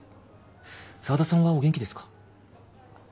沢田さんはお元気ですか？